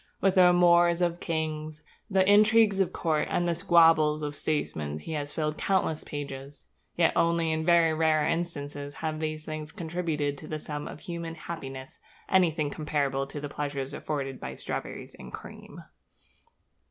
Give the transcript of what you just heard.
With the amours of kings, the intrigues of courts, and the squabbles of statesmen he has filled countless pages; yet only in very rare instances have these things contributed to the sum of human happiness anything comparable to the pleasures afforded by strawberries and cream.